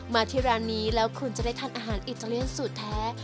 มาที่ร้านนี้แล้วคุณจะได้ทานอาหารอิตาเลียนสูตรแท้